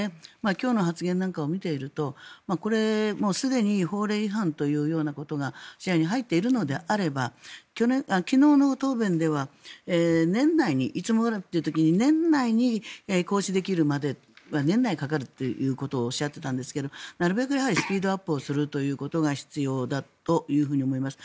今日の発言なんかを見ているとすでに法令違反というようなことが視野に入っているのであれば昨日の答弁では年内にいつまでかという時に年内に行使できるまでに年内までかかるということをおっしゃっていたんですがなるべくスピードアップをすることが必要だと思います。